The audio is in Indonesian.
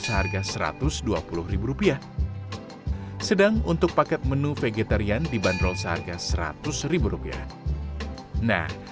seharga satu ratus dua puluh rupiah sedang untuk paket menu vegetarian dibanderol seharga seratus ribu rupiah nah